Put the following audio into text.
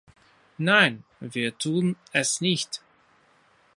Nein, wir tun es nicht.